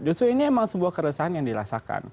justru ini emang sebuah keresahan yang dirasakan